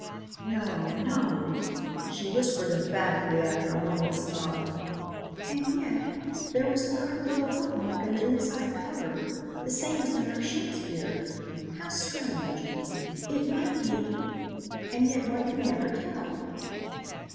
"No, no," she whispered emphatically after a moment's thought. "And, yet, there was the gargoyle bookmark in the inside cover, the same as in our Shakespeare. How strange! It might be and, yet, one can never tell."